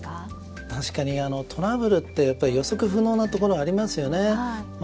確かにトラブルって予測不能なところありますよね。